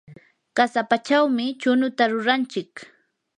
qasapachawmi chunuta ruranchik.